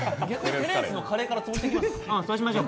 テレンスのカレーから潰していきましょう。